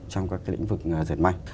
trong các cái lĩnh vực diệt may